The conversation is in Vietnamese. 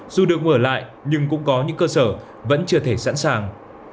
dù được mở lại nhưng cũng có những cơ sở vẫn chưa thể sẵn sàng